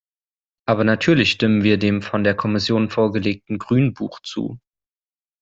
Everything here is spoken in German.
Aber natürlich stimmen wir dem von der Kommission vorgelegten Grünbuch zu!